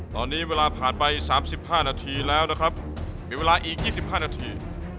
ตอนนี้เวลาผ่านไปสามสิบห้านาทีแล้วนะครับมีเวลาอีกยี่สิบห้านาที